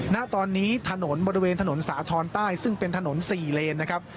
ณตอนนี้ถนนบริเวณถนนสาธรณ์ใต้ซึ่งเป็นถนน๔เลนนะครับ